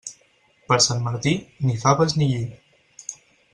Per Sant Martí, ni faves ni lli.